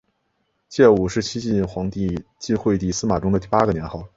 建武是西晋皇帝晋惠帝司马衷的第八个年号。